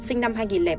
sinh năm hai nghìn ba